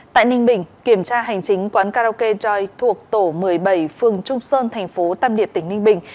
tại ninh bình kiểm tra hành chính quán karaoke doi thuộc tổ một mươi bảy phường trung sơn thành phố tam điệp tỉnh ninh bình